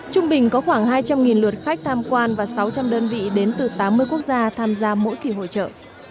trung bình có khoảng hai trăm linh lượt khách tham quan và sáu trăm linh đơn vị đến từ tám mươi quốc gia tham gia mỗi kỳ hội trợ